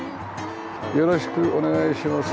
よろしくお願いします。